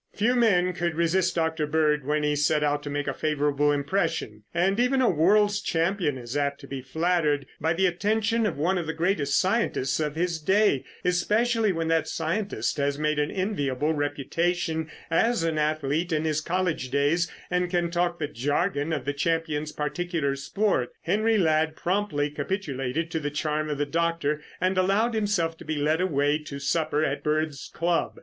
Few men could resist Dr. Bird when he set out to make a favorable impression, and even a world's champion is apt to be flattered by the attention of one of the greatest scientists of his day, especially when that scientist has made an enviable reputation as an athlete in his college days and can talk the jargon of the champion's particular sport. Henry Ladd promptly capitulated to the charm of the doctor and allowed himself to be led away to supper at Bird's club.